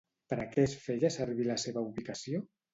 Per a què es feia servir la seva ubicació?